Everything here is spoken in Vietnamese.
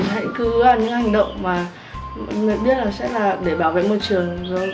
hãy cứ ước là những hành động mà mọi người biết là sẽ là để bảo vệ môi trường